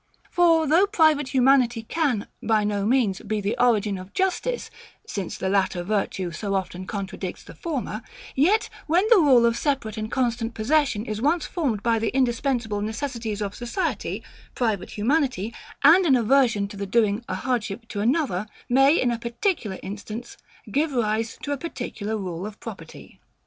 For though private humanity can, by no means, be the origin of justice; since the latter virtue so often contradicts the former; yet when the rule of separate and constant possession is once formed by the indispensable necessities of society, private humanity, and an aversion to the doing a hardship to another, may, in a particular instance, give rise to a particular rule of property.